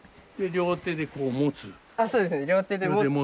両手でこう持つ？